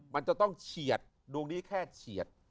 มันจะต้องเฉียดดวงนี้แค่เฉียด